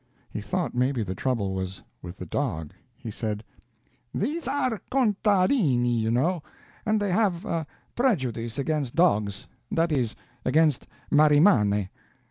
He thought maybe the trouble was with the dog. He said: "These are contadini, you know, and they have a prejudice against dogs that is, against marimane.